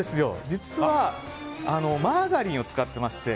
実はマーガリンを使っていまして。